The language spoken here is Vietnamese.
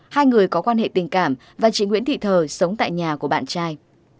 hai người có quan hệ tình cảm và chị nguyễn thị thờ sống tại nhà của bạn trai